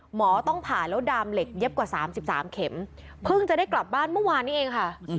หมอต้องผ่าแล้วดามเหล็กเย็บกว่า๓๓เข็มเพิ่งจะได้กลับบ้านเมื่อวานนี้เองค่ะ